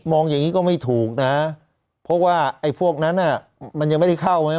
อย่างนี้ก็ไม่ถูกนะเพราะว่าไอ้พวกนั้นมันยังไม่ได้เข้าไง